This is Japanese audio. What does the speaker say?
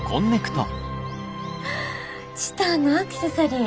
チタンのアクセサリー